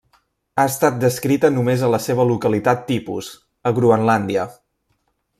Ha estat descrita només a la seva localitat tipus, a Groenlàndia.